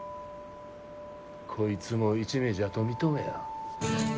こいつも一味じゃと認めや。